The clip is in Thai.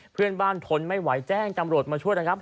เพื่อนบ้านทนไม่ไหวแจ้งตำรวจมาช่วยนะครับ